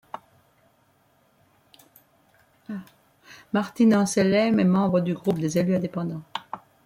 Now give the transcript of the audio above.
Martine Amselem est membre du groupe des élus indépendants.